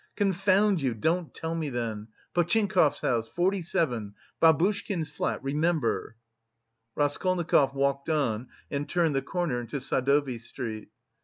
Confound you, don't tell me then. Potchinkov's house, 47, Babushkin's flat, remember!" Raskolnikov walked on and turned the corner into Sadovy Street.